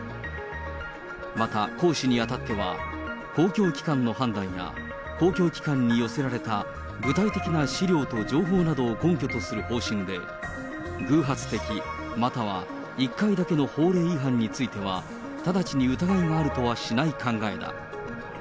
また行使に当たっては、公共機関の判断や、公共機関に寄せられた具体的な資料と情報などを根拠とする方針で、偶発的、または１回だけの法令違反については、直ちに疑いがあるとはしない考えだ。